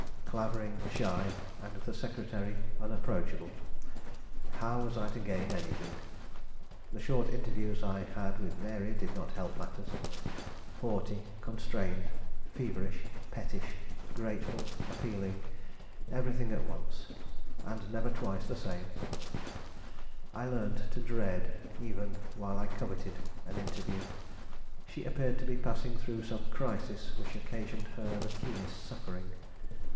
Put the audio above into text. Clavering shy, and the secretary unapproachable how was I to gain anything? The short interviews I had with Mary did not help matters. Haughty, constrained, feverish, pettish, grateful, appealing, everything at once, and never twice the same, I learned to dread, even while I coveted, an interview. She appeared to be passing through some crisis which occasioned her the keenest suffering.